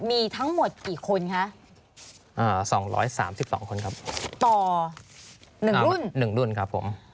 มีทั้งหมดกี่คนคะอ่าสองร้อยสามสิบสองคนครับต่อหนึ่งรุ่นหนึ่งรุ่นครับผม